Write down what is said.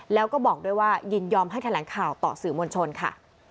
แล้วก็บอกด้วยว่ายินยอมให้แถลงข่าวต่อสื่อมวลชนค่ะ